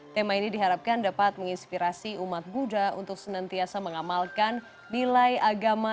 tema ini diharapkan dapat menginspirasi umat buddha untuk senantiasa mengamalkan nilai agama